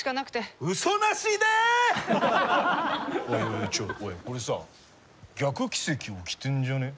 おいおいちょっとこれさ逆奇跡起きてんじゃねえ？